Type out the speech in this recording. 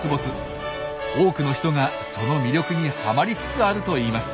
多くの人がその魅力にはまりつつあるといいます。